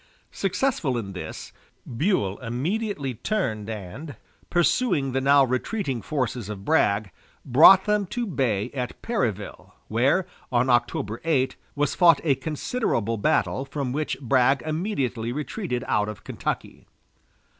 Successful in this, Buell immediately turned and, pursuing the now retreating forces of Bragg, brought them to bay at Perryville, where, on October 8, was fought a considerable battle from which Bragg immediately retreated out of Kentucky.